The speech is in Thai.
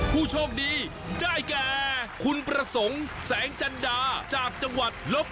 ผู้โชคดีได้แก่คุณประสงค์แสงจันดาจากจังหวัดลบ